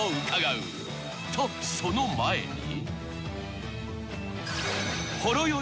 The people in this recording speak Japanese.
［とその前に］